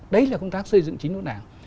đấy là công tác xây dựng chính đốn đảng